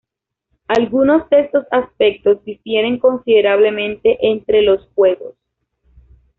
Algunos de estos aspectos difieren considerablemente entre los juegos.